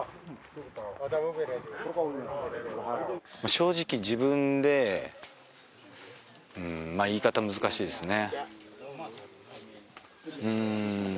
正直自分でまあ言い方難しいですね